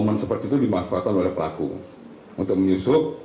momen seperti itu dimanfaatkan oleh pelaku untuk menyusup